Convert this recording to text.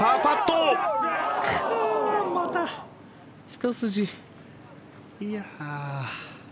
またひと筋。